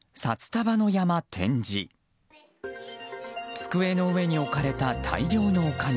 机の上に置かれた大量のお金。